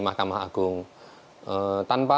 mahkamah agung tanpa